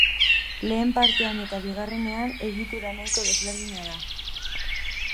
Lehen partean eta bigarrenean, egitura nahiko desberdina da.